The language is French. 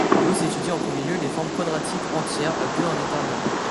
Gauss étudie en premier lieu les formes quadratiques entières à deux indéterminées.